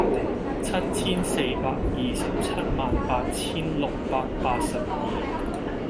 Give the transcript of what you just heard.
七千四百二十七萬八千六百八十二